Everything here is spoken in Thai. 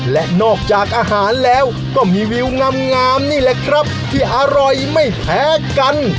และนอกจากอาหารแล้วก็มีวิวงามนี่แหละครับที่อร่อยไม่แพ้กัน